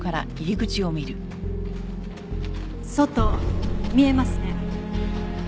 外見えますね。